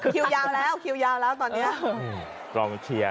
คิวยาวแล้วคิวยาวแล้วตอนนี้